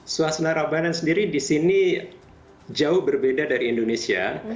suasana ramadan sendiri di sini jauh berbeda dari indonesia